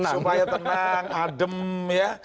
supaya tenang adem ya